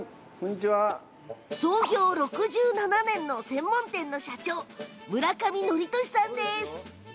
創業６７年の専門店の社長、村上範年さんです。